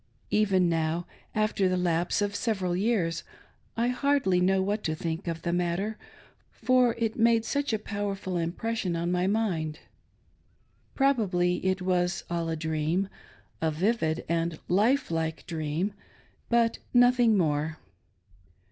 Even now, after the lapse of several years, I hardly know what to think of the ipatter, for it made such a powerful impression on my mind. Probably it was all a dream — a vivid and life like dream, but nothing more.